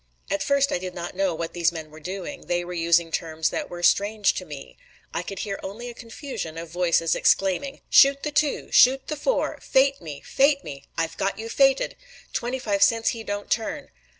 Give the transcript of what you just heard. At first I did not know what these men were doing; they were using terms that were strange to me. I could hear only a confusion of voices exclaiming: "Shoot the two!" "Shoot the four!" "Fate me! Fate me!" "I've got you fated!" "Twenty five cents he don't turn!"